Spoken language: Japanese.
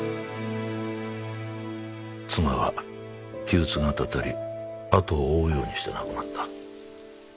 妻は気鬱がたたり後を追うようにして亡くなった。